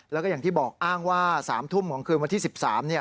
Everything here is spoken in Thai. แล้วก็อย่างที่บอกอ้างว่า๓ทุ่มของคืนวันที่๑๓